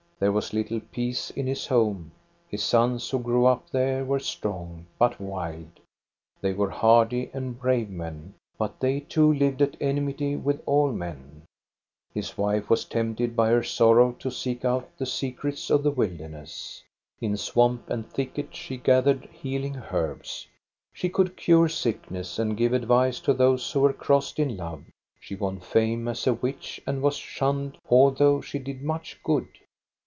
There was little peace in his home. His sons who grew up there were strong, but wild. They were hardy and brave men, but they too lived at enmity with all mea 440 THE STORY OF GOSTA BE RUNG His wife was tempted by her sorrow to seek out the secrets of the wilderness. In swamp and thicket she gathered healing herbs. She could cure sickness, and give advice to those who were crossed in love. She won fame as a witch, and was shunned, although she did much good.